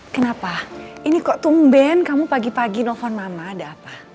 kenapa ini kok tumben kamu pagi pagi nelfon mama ada apa